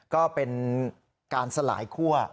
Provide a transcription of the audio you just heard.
ก็เป็นการสลายคั่ว